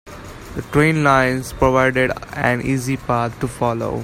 The train lines provided an easy path to follow.